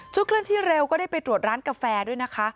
เคลื่อนที่เร็วก็ได้ไปตรวจร้านกาแฟด้วยนะคะ